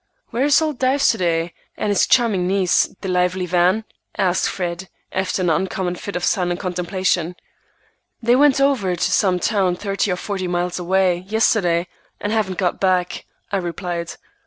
"Where's old Dives to day, and his charming niece, the lively Van?" asked Fred, after an uncommon fit of silent contemplation. "They went over to some town thirty or forty miles away, yesterday, and haven't got back," I replied.